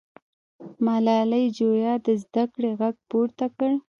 ملالۍ جویا د زده کړې غږ پورته کړ.